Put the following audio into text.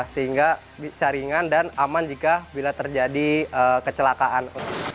sehingga bisa ringan dan aman jika bila terjadi kecelakaan